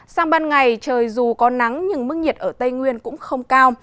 sang ban ngày trời dù có nắng nhưng mức nhiệt ở tây nguyên cũng không cao